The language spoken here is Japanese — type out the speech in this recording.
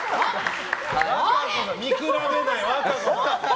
見比べない、和歌子さん！